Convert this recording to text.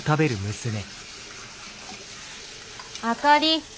あかり。